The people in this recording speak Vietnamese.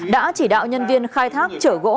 đã chỉ đạo nhân viên khai thác chở gỗ